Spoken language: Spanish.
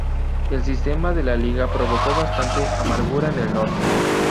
El sistema de la liga provocó bastante amargura en el norte.